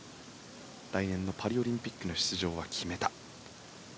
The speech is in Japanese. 来年のパリオリンピックの出場は決めた。